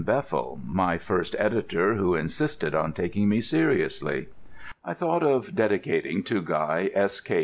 BEFFEL My First Editor Who insisted on taking me seriously I thought of dedicating to GUY S.K.